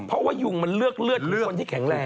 เพราะว่ายุงมันเลือกเลือดหรือคนที่แข็งแรง